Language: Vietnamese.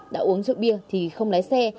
đã uống rượu bia thì không lái xe